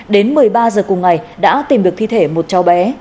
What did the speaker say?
đến một mươi ba h cùng ngày đã tìm được thi thể một cháu bé